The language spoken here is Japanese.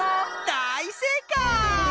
だいせいかい！